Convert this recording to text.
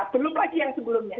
belum lagi yang sebelumnya